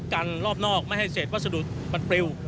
กันรอบนอกไม่ให้เศษวัสดุมันปลิว